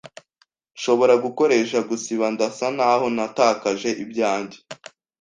Nshobora gukoresha gusiba? Ndasa naho natakaje ibyanjye.